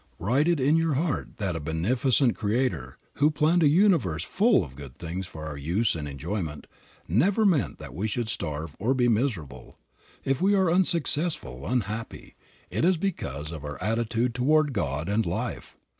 Write it in your heart that a beneficent Creator, who planned a universe full of good things for our use and enjoyment, never meant that we should starve or be miserable. If we are unsuccessful, unhappy, it is because of our attitude toward God and life.